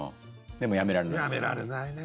でもやめられない？